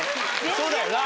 そうだよな。